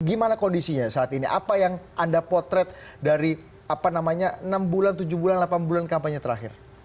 gimana kondisinya saat ini apa yang anda potret dari apa namanya enam bulan tujuh bulan delapan bulan kampanye terakhir